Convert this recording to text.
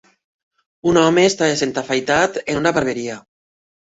Un home està essent afaitat en una barberia.